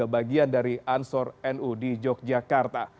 bagian dari ansor nu di yogyakarta